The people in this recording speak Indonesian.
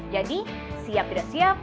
jadi siap tidak siap